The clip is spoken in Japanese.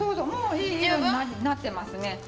もういい色になってますね。